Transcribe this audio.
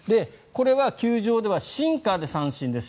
これは球場ではシンカーで三振です。